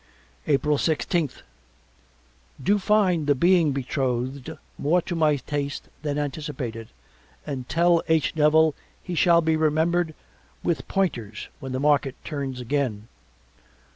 April sixteenth Do find the being betrothed more to my taste than anticipated and tell H. Nevil he shall be remembered with pointers when the market turns again.